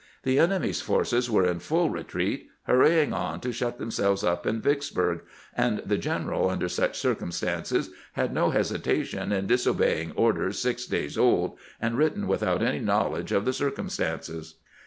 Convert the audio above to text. The enemy's forces were in full re treat, hurrying on to shut themselves up in Vicksburg, and the general, under such circumstances, had no hesi tation in disobeying orders six days old, and written without any knowledge of the circumstances."